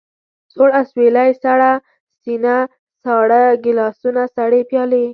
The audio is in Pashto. سوړ اسوېلی، سړه سينه، ساړه ګيلاسونه، سړې پيالې.